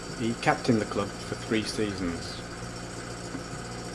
He captained the club for three seasons.